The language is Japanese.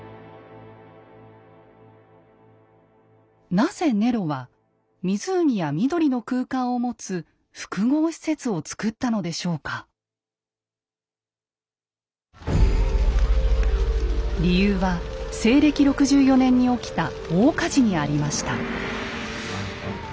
なぜネロは湖や緑の空間を持つ理由は西暦６４年に起きた大火事にありました。